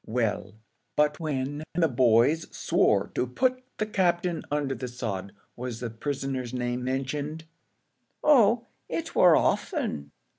"Well, but when the boys swore to put the Captain under the sod was the prisoner's name mentioned?" "Oh, it war ofthen."